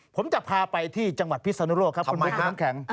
ผมจะพาไปที่จังหวัดภิกษณุโรคครับคุณบุงคุณน้ำแข็ง